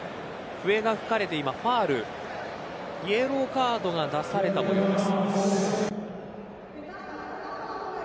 笛が吹かれて今ファウルイエローカードが出されたということです。